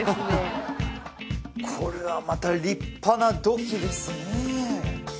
これはまた立派な土器ですね